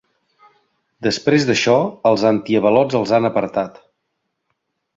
Després d’això, els antiavalots els han apartat.